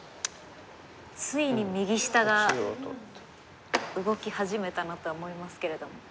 ついに右下が動き始めたなとは思いますけれども。